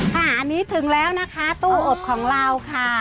ค่ะอันนี้ถึงแล้วนะคะตู้อบของเราค่ะ